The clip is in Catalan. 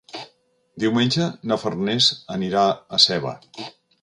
Diumenge na Farners anirà a Seva.